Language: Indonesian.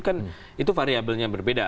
kan itu variabelnya berbeda